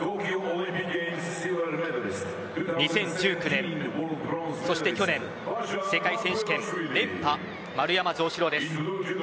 ２０１９年そして去年世界選手権連覇丸山城志郎です。